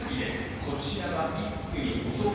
こちらは１区に細川。